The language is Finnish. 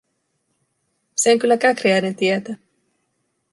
Sen kyllä Käkriäinen tietää.